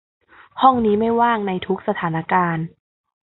ห้องนี้ไม่ว่างในทุกสถานการณ์